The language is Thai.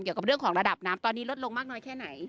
เกี่ยวกับเรื่องของระดับน้ำตอนนี้ลดลงมากน้อยแค่ไหน